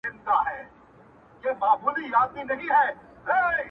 یو خوا وي ستا وصل او بل طرف روژه وي زما،